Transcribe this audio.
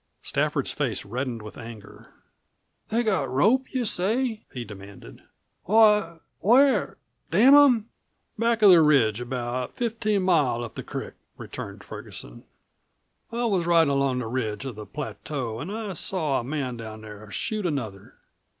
Stafford's face reddened with anger. "They got Rope, you say?" he demanded. "Why, where damn them!" "Back of the ridge about fifteen miles up the crick," returned Ferguson. "I was ridin' along the edge of the plateau an' I saw a man down there shoot another.